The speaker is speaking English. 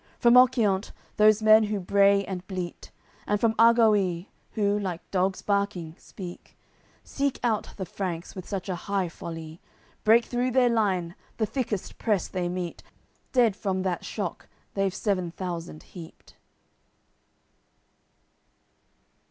From Occiant, those men who bray and bleat, And from Argoille, who, like dogs barking, speak; Seek out the Franks with such a high folly, Break through their line, the thickest press they meet Dead from that shock they've seven thousand heaped.